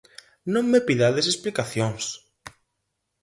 Non me pidades explicacións.